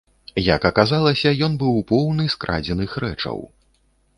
Як аказалася, ён быў поўны скрадзеных рэчаў.